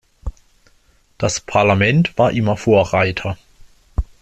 Das Parlament war immer Vorreiter.